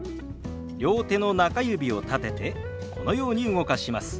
両手の中指を立ててこのように動かします。